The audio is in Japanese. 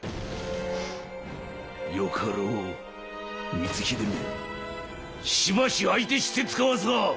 よかろう光秀めしばし相手してつかわすわ！